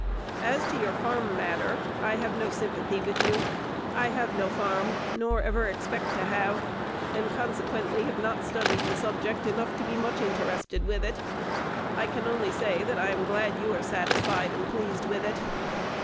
As to your farm matter, I have no sympathy with you. I have no farm, nor ever expect to have, and consequently have not studied the subject enough to be much interested with it. I can only say that I am glad you are satisfied and pleased with it.